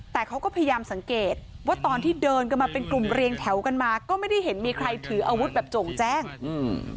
แต่เขาก็พยายามสังเกตว่าตอนที่เดินกันมาเป็นกลุ่มเรียงแถวกันมาก็ไม่ได้เห็นมีใครถืออาวุธแบบโจ่งแจ้งอืม